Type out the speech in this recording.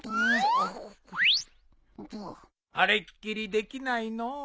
あれっきりできないのう。